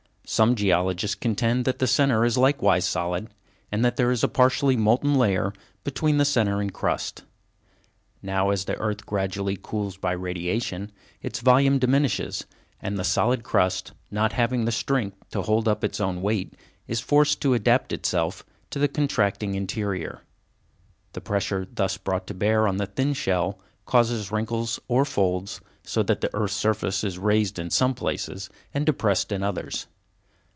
Some geologists contend that the centre is likewise solid, and that there is a partially molten layer between the centre and crust. Now as the earth gradually cools by radiation, its volume diminishes, and the solid crust not having the strength to hold up its own weight, is forced to adapt itself to the contracting interior. The pressure thus brought to bear on the thin shell causes wrinkles or folds, so that the earth's surface is raised in some places and depressed in others.